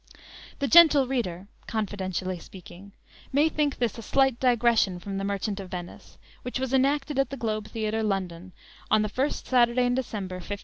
The "gentle reader" (confidentially speaking) may think this a slight digression from the "Merchant of Venice," which was enacted at the Globe Theatre, London, on the first Saturday in December, 1599.